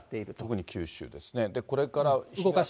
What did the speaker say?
特に九州ですね。